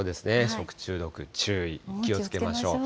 食中毒に注意、気をつけましょう。